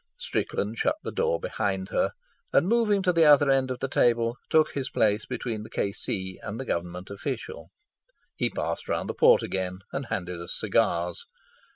Strickland shut the door behind her, and, moving to the other end of the table, took his place between the K.C. and the Government official. He passed round the port again and handed us cigars.